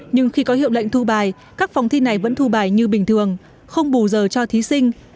nhưng khi có hiệu lệnh thu bài các phòng thi này vẫn thu bài như bình thường không bù giờ cho thí sinh